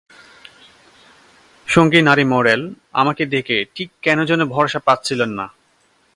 সঙ্গী নারী মডেল আমাকে দেখে ঠিক কেন যেন ভরসা পাচ্ছিলেন না।